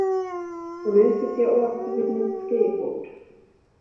Och nu sitter jag åter vid mitt skrivbord.